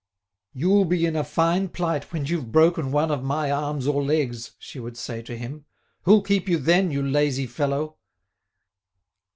"You'll be in a fine plight when you've broken one of my arms or legs," she would say to him. "Who'll keep you then, you lazy fellow?"